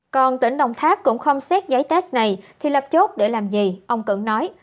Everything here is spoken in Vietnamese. còn tỉnh đồng tháp cũng không xét giấy test này thì lập chốt để làm gì ông cẩn nói